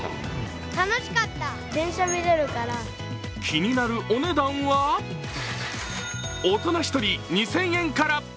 気になるお値段は大人１人２０００円から。